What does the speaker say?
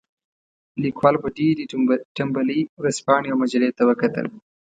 لیکوال په ډېرې تنبلۍ ورځپاڼې او مجلې ته وکتل.